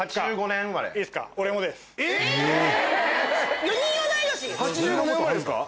８５年生まれですか？